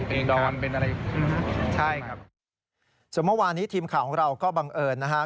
นอนเป็นอะไรใช่ครับส่วนเมื่อวานนี้ทีมข่าวของเราก็บังเอิญนะฮะ